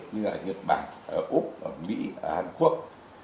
như là ở nhật bản ở úc ở mỹ ở hàn quốc